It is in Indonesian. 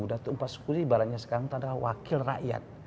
datuk empat suku ini ibaratnya sekarang tanda wakil rakyat